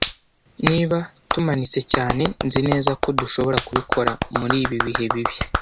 Niba tumanitse cyane, nzi neza ko dushobora kubikora muri ibi bihe bibi.